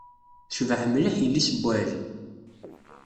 Tecbeḥ mliḥ yelli-s n Waɛli